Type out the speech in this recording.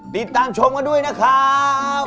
ติดตามชมกันด้วยนะครับ